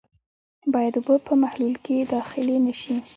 باید اوبه په محلول کې داخلې نه شي.